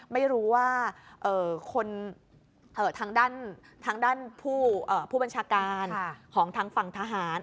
ไม่รู้ว่าคนทางด้านผู้บัญชาการของทางฝั่งทหาร